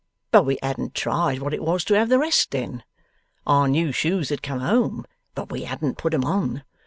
But we hadn't tried what it was to have the rest then. Our new shoes had come home, but we hadn't put 'em on.